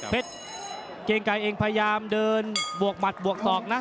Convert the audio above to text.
เผช์เกรงไกลเองประยามเดินบวกหมัดบวกตอกนะ